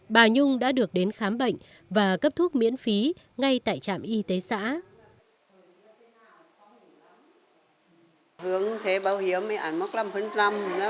bà nhung đã được đến khám bệnh và cấp thuốc miễn phí ngay tại trạm y tế xã